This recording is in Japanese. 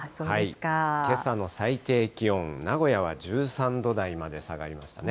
けさの最低気温、名古屋は１３度台まで下がりましたね。